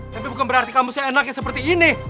tapi bukan berarti kamu sih enaknya seperti ini